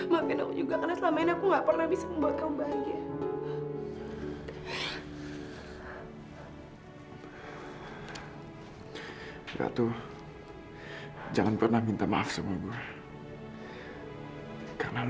maafin aku juga karena selama ini aku gak pernah bisa membuat kamu bahagia